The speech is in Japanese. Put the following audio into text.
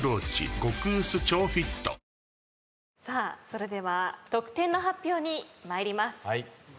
それでは得点の発表に参ります。